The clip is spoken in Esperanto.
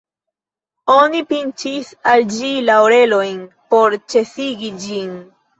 Oni pinĉis al ĝi la orelojn por ĉesigi ĝin.